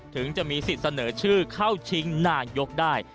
ถึงจะมีสิทธิ์เสนอชื่อเข้าชิงนายกได้